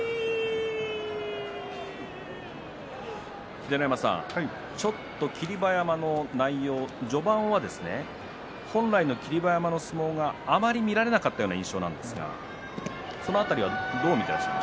秀ノ山さん、ちょっと霧馬山内容、序盤は本来の霧馬山の相撲があまり見られなかったような印象ですね。